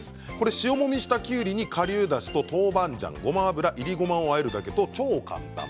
塩もみしたきゅうりにかりゅうだしと豆板醤ごま油、いりごまをあえるだけと超簡単。